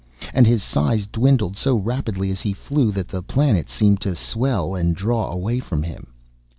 And his size dwindled so rapidly as he flew that the planet seemed to swell and draw away from him.